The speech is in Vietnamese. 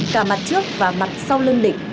cả mặt trước và mặt sau lưng định